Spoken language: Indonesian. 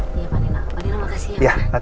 pandina makasih ya pak